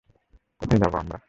কোথায় যাবো আমরা?